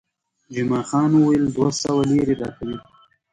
جمعه خان وویل، دوه سوه لیرې راکوي.